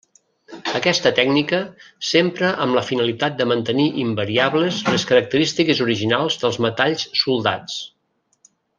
Aquesta tècnica s'empra amb la finalitat de mantenir invariables les característiques originals dels metalls soldats.